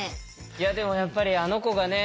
いやでもやっぱりあの子がね